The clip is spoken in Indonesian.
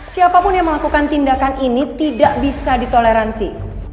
siapapun yang melakukan tindakan ini tidak bisa ditoleransi